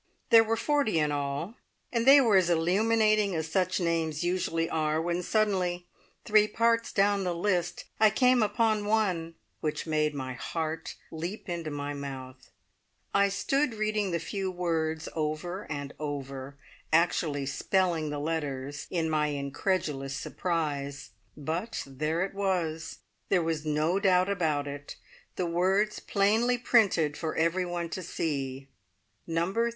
There were forty in all, and they were as illuminating as such names usually are, when suddenly, three parts down the list, I came upon one which made my heart leap into my mouth. I stood reading the few words over and over, actually spelling the letters in my incredulous surprise, but there it was; there was no doubt about it the words plainly printed for every one to see "Number 32.